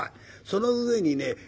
その上にね